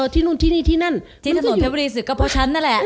ที่นู่นที่นี่ที่นั่นที่ถนนเพชรบุรีศึกก็เพราะฉันนั่นแหละ